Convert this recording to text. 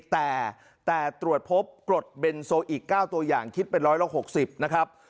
แต่ตรวจพบกรดเบนโซอีก๙ตัวอย่างคิดเป็นร้อยละ๖๐นะครับ